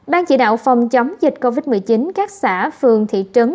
ban chỉ đạo phòng chống dịch covid một mươi chín các xã phường thị trấn